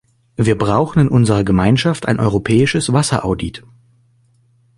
Wir brauchen in unserer Gemeinschaft ein europäisches Wasseraudit.